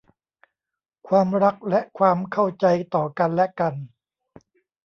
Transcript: ความรักและความเข้าใจต่อกันและกัน